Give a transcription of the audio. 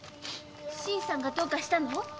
新さんがどうかしたの？